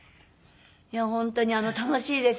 いやあ本当に楽しいですね。